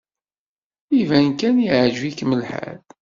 Iban kan yeɛjeb-ikem lḥal.